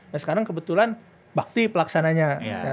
dan sekarang kebetulan bakti pelaksananya